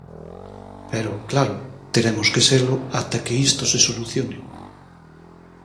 Pero, claro, teremos que selo ata que isto se solucione.